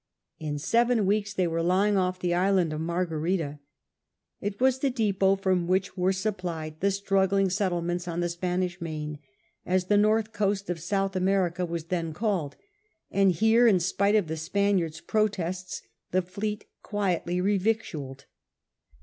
In seven weeks they were lying off the island of Margarita. It was the depot from which were supplied the struggling settlements on the Spanish Main, as the north coast of South America was then called, and here in spite of the Spaniards' protests the fleet quietly revictualled.